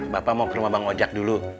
bapak mau ke rumah bang ojek dulu